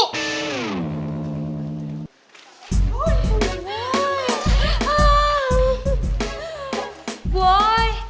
oh ya tuhan